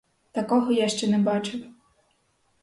Такого я ще не бачив.